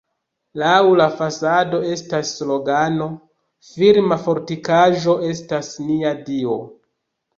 Laŭ la fasado estas slogano: "Firma fortikaĵo estas nia Dio".